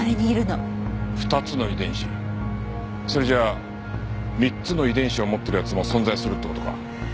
それじゃあ３つの遺伝子を持ってる奴も存在するって事か？